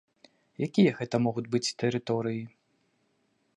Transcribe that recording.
Якія гэта могуць быць тэрыторыі?